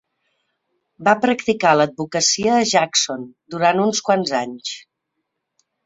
Va practicar l'advocacia a Jackson durant uns quants anys.